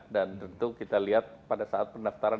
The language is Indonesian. dan tentu kita lihat pada saat pendaftaran